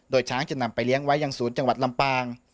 โดยช้างจะนำไปเลี้ยงไว้ยังศูนย์จังหวัดลำปาง